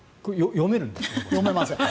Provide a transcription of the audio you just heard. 読めません。